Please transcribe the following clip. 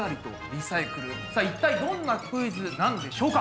さあ一体どんなクイズなんでしょうか？